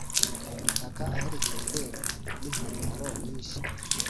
agutaka aherekejwe n'impanuro nyinshi